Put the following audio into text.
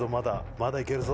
まだ、いけるぞ。